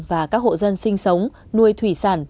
và các hộ dân sinh sống nuôi thủy sản